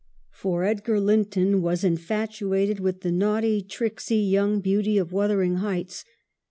For Edgar Linton was infatuated with the naughty, tricksy young beauty of Wuthering Heights.